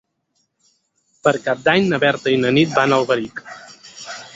Per Cap d'Any na Berta i na Nit van a Alberic.